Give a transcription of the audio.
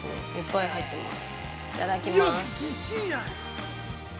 いただきます。